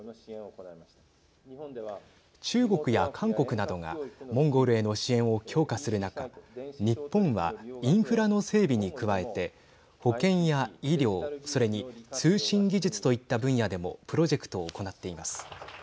中国や韓国などがモンゴルへの支援を強化する中日本はインフラの整備に加えて保健や医療それに通信技術といった分野でもプロジェクトを行っています。